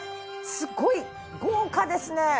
すごい豪華ですね！